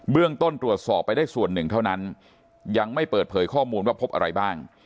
ต้นตรวจสอบไปได้ส่วนหนึ่งเท่านั้นยังไม่เปิดเผยข้อมูลว่าพบอะไรบ้าง